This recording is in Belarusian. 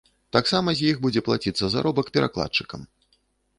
Таксама з іх будзе плаціцца заробак перакладчыкам.